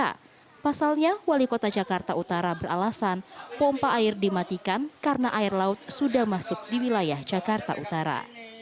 karena pasalnya wali kota jakarta utara beralasan pompa air dimatikan karena air laut sudah masuk di wilayah jakarta utara